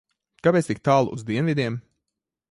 Kāpēc tik tālu uz dienvidiem?